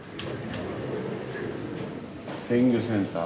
鮮魚センター。